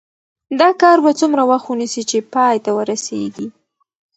دا کار به څومره وخت ونیسي چې پای ته ورسیږي؟